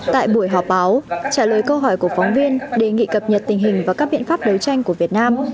tại buổi họp báo trả lời câu hỏi của phóng viên đề nghị cập nhật tình hình và các biện pháp đấu tranh của việt nam